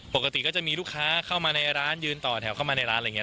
ปกติก็จะมีลูกค้าเข้ามาในร้านยืนต่อแถวเข้ามาในร้านอะไรอย่างนี้